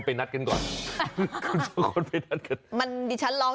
ทั้งคู่คนไปนัดกันก่อน